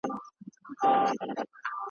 خو کوتري تا چي هر څه زېږولي `